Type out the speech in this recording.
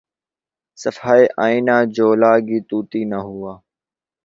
صفحۂ آئنہ جولاں گہ طوطی نہ ہوا